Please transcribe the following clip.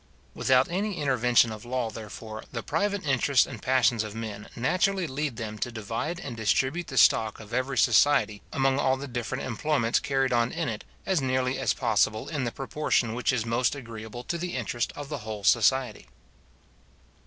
Without any intervention of law, therefore, the private interests and passions of men naturally lead them to divide and distribute the stock of every society among all the different employments carried on in it; as nearly as possible in the proportion which is most agreeable to the interest of the whole society.